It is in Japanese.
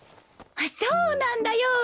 そうなんだよ！